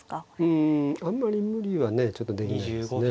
うんあんまり無理はねちょっとできないですね。